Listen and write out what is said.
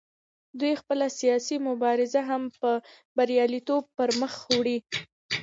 دوی خپله سیاسي مبارزه هم په بریالیتوب پر مخ وړي